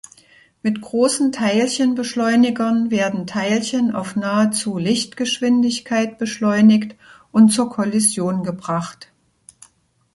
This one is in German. Mit großen Teilchenbeschleunigern werden Teilchen auf nahezu Lichtgeschwindigkeit beschleunigt und zur Kollision gebracht.